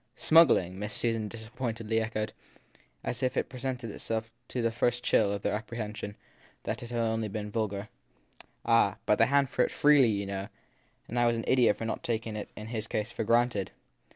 Smuggling ? Miss Susan disappointedly echoed as if it presented itself to the first chill of their apprehension that he had, then, only been vulgar. i Ah, but they hanged for it freely, you know, and I was an idiot for not having taken it, in his case, for granted.